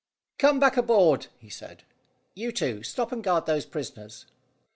"Come back aboard," he said. "You two stop and guard those prisoners."